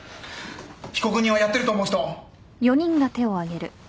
被告人はやってると思う人？